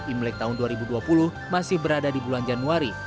imlek tahun dua ribu dua puluh masih berada di bulan januari